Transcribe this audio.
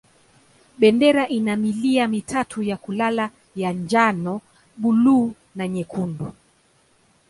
Bendera ina milia mitatu ya kulala ya njano, buluu na nyekundu.